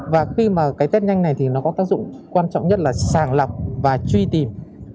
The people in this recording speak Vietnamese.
và khi mà test nhanh này có tác dụng quan trọng nhất là sàng lọc và truy tìm